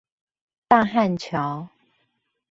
大漢橋